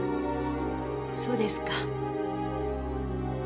そうですか。